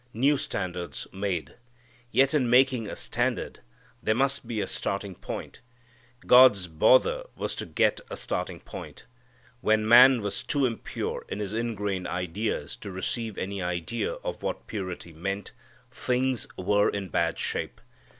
New standards made. Yet in making a standard there must be a starting point. God's bother was to get a starting point. When man was too impure in his ingrained ideas to receive any idea of what purity meant, things were in bad shape.